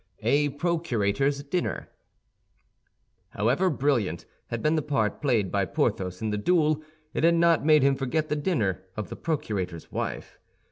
A PROCURATOR'S DINNER However brilliant had been the part played by Porthos in the duel, it had not made him forget the dinner of the procurator's wife.